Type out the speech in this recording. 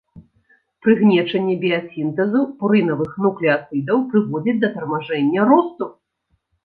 Прыгнечанне біясінтэзу пурынавых нуклеатыдаў прыводзіць да тармажэння росту.